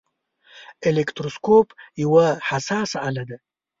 الکتروسکوپ یوه حساسه آله ده.